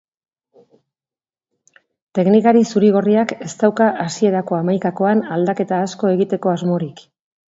Teknikari zuri-gorriak ez dauka hasierako hamaikakoan aldaketa asko egiteko asmorik.